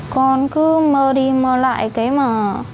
con cứ mơ đi mơ lại cái mà